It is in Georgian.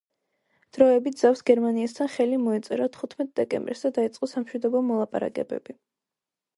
დროებით ზავს გერმანიასთან ხელი მოეწერა თხუთმეტ დეკემბერს და დაიწყო სამშვიდობო მოლაპარაკებები